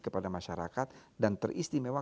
kepada masyarakat dan teristimewa